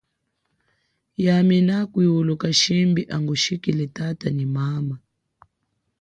Yami nakwiuluka shimbi angushikile tata nyi mama.